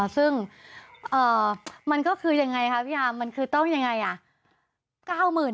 ซึ่งมันก็คือยังไงครับพี่ฮามันคือต้องยังไง